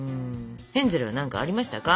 ヘンゼルは何かありましたか？